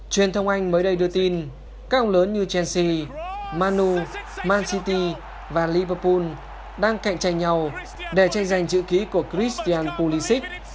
truyền thông anh mới đây đưa tin các ông lớn như chelsea man u man city và liverpool đang cạnh tranh nhau để tranh giành chữ ký của christian pulisic